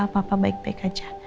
papa baik baik aja